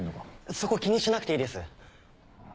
そこ気にしなくていいです。